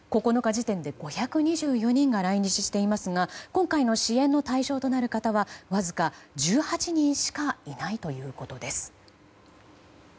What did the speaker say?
９日時点で５２４人が来日していますが今回の支援の対象となる方はわずか１８人しかいないということです。